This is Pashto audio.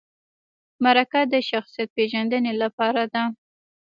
مرکه د شخصیت پیژندنې لپاره ده